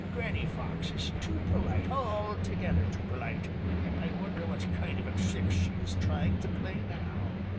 Granny Fox is too polite, altogether too polite. I wonder what kind of a trick she is trying to play now."